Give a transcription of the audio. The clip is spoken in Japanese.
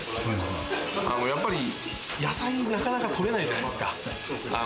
野菜なかなか取れないじゃないですか。